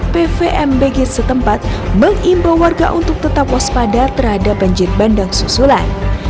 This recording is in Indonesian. pvmbg setempat mengimbau warga untuk tetap waspada terhadap banjir bandang susulan